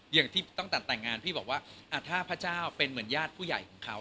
อย่างที่ตอนต่างงานพี่บอกว่าอ่าท่าพระเจ้าเป็นเหมือนยาดผู้ใหญ่ของเขา